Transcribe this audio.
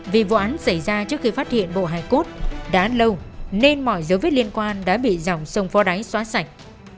vì vụ án xảy ra trước khi phát hiện bộ hài cốt đã lâu nên mọi dấu vết liên quan đã bị dòng sông phó đáy xóa sạch